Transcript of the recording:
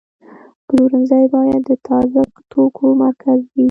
پلورنځی باید د تازه توکو مرکز وي.